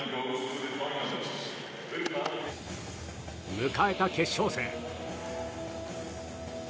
迎えた決勝戦。